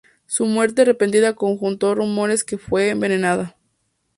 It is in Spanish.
Su muerte repentina condujo a rumores que fue envenenado.